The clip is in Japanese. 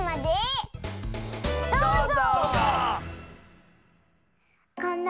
どうぞ！